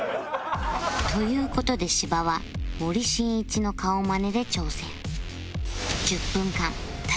という事で芝は森進一の顔マネで挑戦